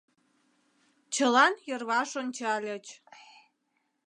Чылан йырваш ончальыч.